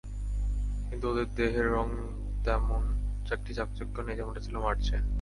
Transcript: কিন্তু ওদের দেহের রঙে তেমন একটা চাকচিক্য নেই, যেমনটা ছিল মার্চে।